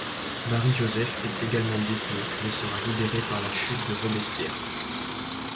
Marie-Josèphe est également détenue mais sera libérée par la chute de Robespierre.